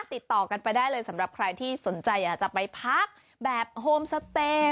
ติดต่อกันไปได้เลยสำหรับใครที่สนใจอยากจะไปพักแบบโฮมสเตย์